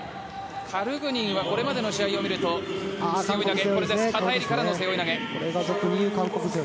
カルグニンはこれまでのを見ると片襟からの背負い投げ。